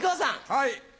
はい。